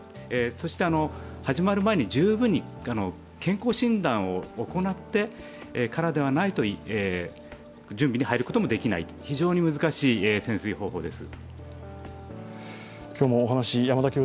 そして始まる前に十分に健康診断を行ってからでないと準備に入ることができないという非常に難しい潜水方法です。